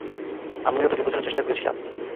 আমি তো তোকে বাঁচানোর চেষ্টা করছিলাম।